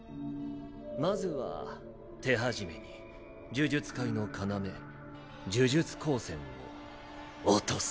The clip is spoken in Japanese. まずは手始めに呪術界の要呪術高専を落とす。